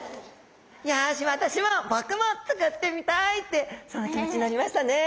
よし私も僕も作ってみたいってそんな気持ちになりましたね。